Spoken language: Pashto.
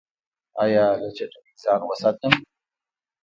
ایا له چټلۍ ځان وساتم؟